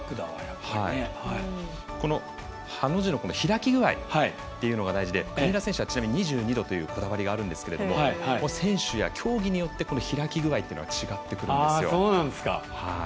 このハの字の部分の開き具合が大事なので国枝選手は、ちなみに２２度というこだわりがあるんですが選手や競技によって開き具合というのが違ってくるんです。